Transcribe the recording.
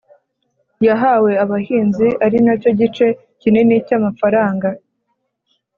yahawe abahinzi ari nacyo gice kinini cy’amafaranga